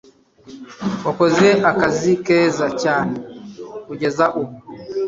Wakoze akazi keza cyane kugeza ubu.